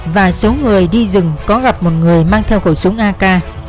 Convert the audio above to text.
và số người đi rừng có gặp một người mang theo khẩu súng ak